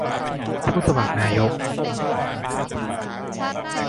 ผู้สมัครนายก